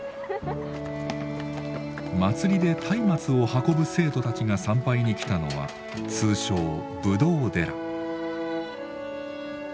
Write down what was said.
祭りで松明を運ぶ生徒たちが参拝に来たのは通称ぶどう寺。